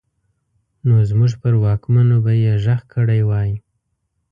نو زموږ پر واکمنو به يې غږ کړی وای.